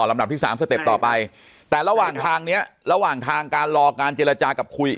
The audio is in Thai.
ลำดับที่สามสเต็ปต่อไปแต่ระหว่างทางเนี้ยระหว่างทางการรอการเจรจากับคุย